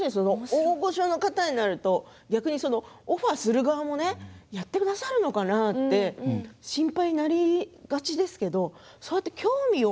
大御所になるとオファーする側もやってくださるのかなって心配になりがちですけどそうやって興味を。